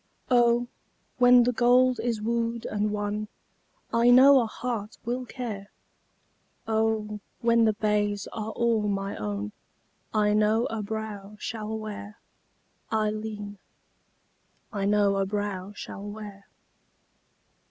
Oh! when the gold is wooed and won, I know a heart will care! Oh! when the bays are all my own, I know a brow shall wear, Ailleen, I know a brow shall wear.